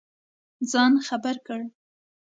ځان خبر کړ.